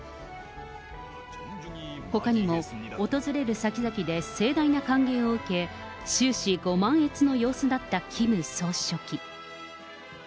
ほかにも訪れる先々で盛大な歓迎を受け、終始ご満悦の様子だったキム総書記。